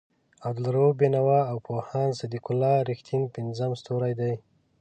عبالرؤف بېنوا او پوهاند صدیق الله رښتین پنځم ستوری دی.